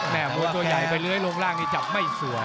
มวยตัวใหญ่ไปเลื้อยลงล่างนี่จับไม่สวย